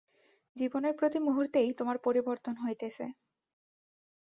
জীবনের প্রতি মুহূর্তেই তোমার পরিবর্তন হইতেছে।